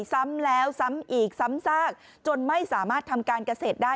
ซ้ำแล้วซ้ำอีกซ้ำซากจนไม่สามารถทำการเกษตรได้